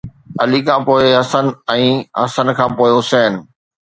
علي کان پوءِ حسن ۽ حسن کان پوءِ حسين